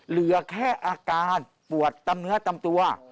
เหลือแค่อาการปวดตามเนื้อตามตัว